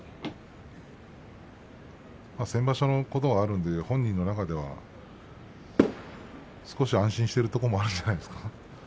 先場所のことがあるんで少しまだ安心しているところがあるんじゃないですか。